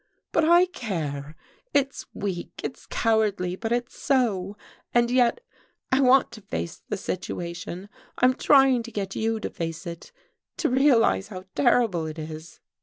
"But I care. It's weak, it's cowardly, but it's so. And yet I want to face the situation I'm trying to get you to face it, to realize how terrible it is."